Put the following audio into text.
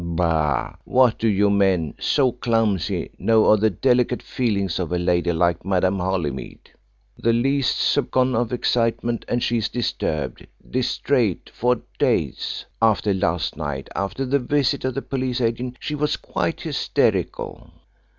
Bah! What do you men so clumsy know of the delicate feelings of a lady like Madame Holymead? The least soupçon of excitement and she is disturbed, distraite, for days. After last night after the visit of the police agent she was quite hysterical."